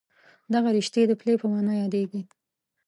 دغه رشتې د پلې په نامه یادېږي.